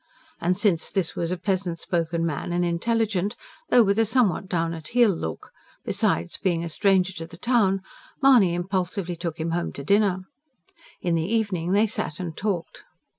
And since this was a pleasant spoken man and intelligent though with a somewhat down at heel look besides being a stranger to the town, Mahony impulsively took him home to dinner. In the evening they sat and talked.